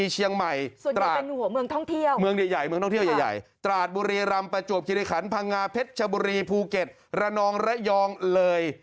เจมส์บุรีภูเก็ตระนองระยองเหลย